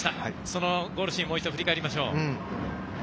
そのゴールシーンをもう一度、振り返りましょう。